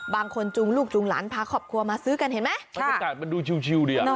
บางคนจุงลูกจุงหลานพาครอบครัวมาซื้อกันเห็นไหมค่ะสัตว์อาจารย์มันดูชิวดีอะ